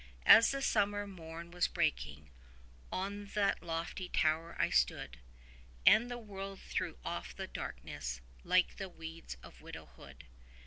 As the summer morn was breaking, on that lofty tower I stood, And the world threw off the darkness, like the weeds of widowhood.